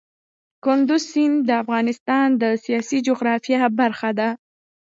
کندز سیند د افغانستان د سیاسي جغرافیه برخه ده.